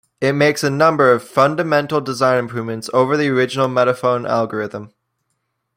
It makes a number of fundamental design improvements over the original Metaphone algorithm.